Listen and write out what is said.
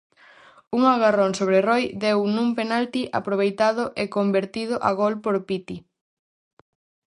Un agarrón sobre Roi deu nun penalti aproveitado e convertido a gol por Piti.